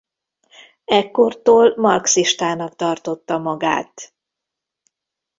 Ekkortól marxistának tartotta magát.